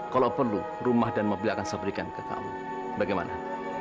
kalau perlu rumah dan mobil akan saya berikan ke kamu bagaimana